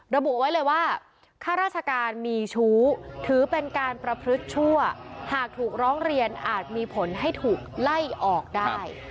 ระบุไว้เลยว่าข้าราชการมีชู้ถือเป็นการประพฤกษั่วหากถูกร้องเรียนอาจมีผลให้ถูกไล่ออกได้